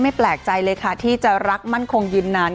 แปลกใจเลยค่ะที่จะรักมั่นคงยืนนาน